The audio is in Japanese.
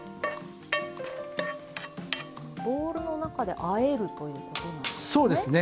ボウルの中であえるということなんですね。